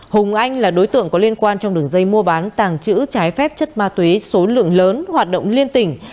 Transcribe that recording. hùng anh là đối tượng có liên quan trong đường dây mua bán tàng trữ trái phép chất ma túy số lượng lớn hoạt động liên tỉnh